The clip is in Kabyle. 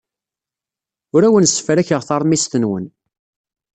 Ur awen-ssefrakeɣ taṛmist-nwen.